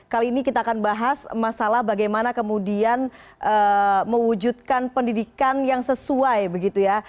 kali ini kita akan bahas masalah bagaimana kemudian mewujudkan pendidikan yang sesuai begitu ya